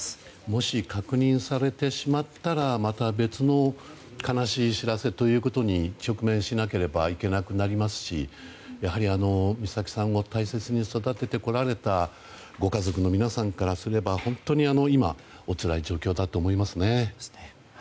もし確認されてしまったらまた別の悲しい知らせに直面しなければいけなくなりますしやはり美咲さんを大切に育ててこられたご家族の皆さんからすれば本当に今おつらい状況だと思いますね。